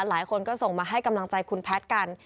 หลายคนก็ส่งมาให้กำลังใจคุณแพทย์กัน